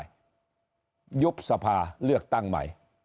ยุบสภาเลือกตั้งใหม่